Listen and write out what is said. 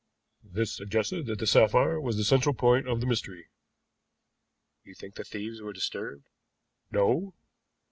This suggested that the sapphire was the central point of the mystery." "You think the thieves were disturbed?" "No."